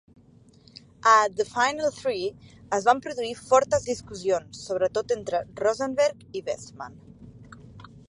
A The Final Three es van produir fortes discussions, sobretot entre Rosenberger i Westman.